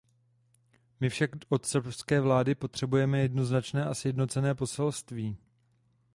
My však od srbské vlády potřebujeme jednoznačné a sjednocené poselství.